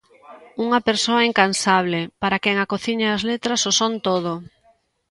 Unha persoa incansable, para quen a cociña e as letras o son todo.